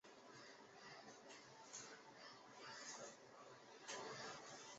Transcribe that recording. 欧洲无须鳕为辐鳍鱼纲鳕形目无须鳕科的其中一种。